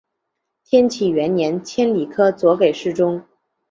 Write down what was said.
天启元年迁礼科左给事中。